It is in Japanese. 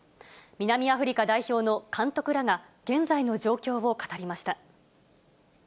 南アフリカ代表の監督らが現在の状況を語りました。